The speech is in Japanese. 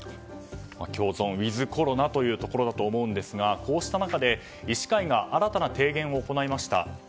共存、ウィズコロナというところだと思いますがこうした中で、医師会が新たな提言を行いました。